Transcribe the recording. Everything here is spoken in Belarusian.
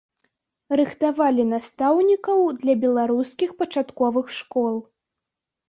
Рыхтавалі настаўнікаў для беларускіх пачатковых школ.